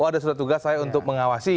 ada surat tugas saya untuk mengawasi